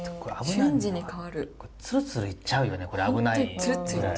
ツルツルいっちゃうよね危ないぐらい。